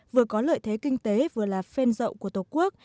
vừa có lợi thế kinh tế vừa là phen rộng của tổ quốc